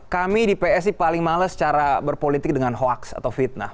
kami di psi paling males cara berpolitik dengan hoaks atau fitnah